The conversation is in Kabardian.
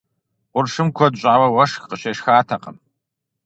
Къуршым куэд щӏауэ уэшх къыщешхатэкъым.